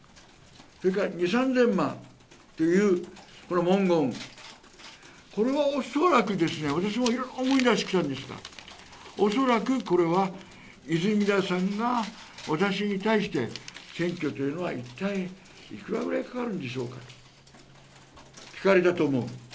それから２０００３０００万という文言、これは恐らく、私もいろいろ思い出してきたんですが、恐らくこれは泉田さんが私に対して選挙というのは一体いくらぐらいかかるんでしょうかと聞かれたと思う。